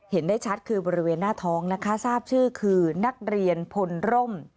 เห็นได้ชัดคือบริเวณหน้าท้องนะคะทราบชื่อคือนักเรียนพลร่ม